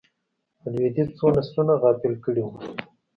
د لوېدیځ څو نسلونه غافل کړي وو.